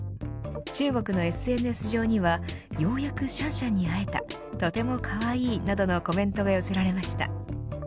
中国のＳＮＳ上にはようやくシャンシャンに会えたとてもかわいいなどのコメントが寄せられました。